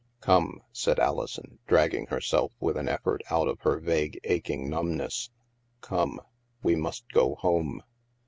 " Come," said Alison, dragging herself with an effort out of her vague aching numbness. " Come. We must go home."